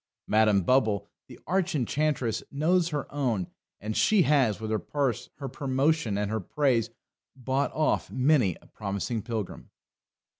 Madam Bubble, the arch enchantress, knows her own, and she has, with her purse, her promotion, and her praise, bought off many a promising pilgrim.